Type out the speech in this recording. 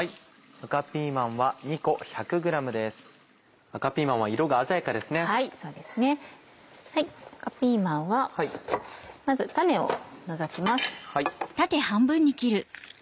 赤ピーマンはまず種を除きます。